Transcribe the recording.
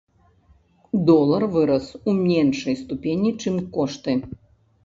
Долар вырас у меншай ступені, чым кошты.